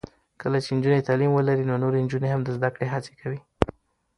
کله چې نجونې تعلیم ولري، نو نورې نجونې هم د زده کړې هڅې کوي.